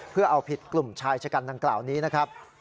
เพื่อเอาผิดกลุ่มชายชะกันดังกล่าวนี้นะครับ